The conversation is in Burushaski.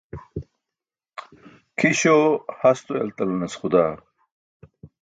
Kʰiśo hasto eltalanas xudaa.